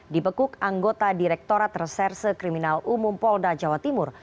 dibekuk anggota direktorat reserse kriminal umum polda jawa timur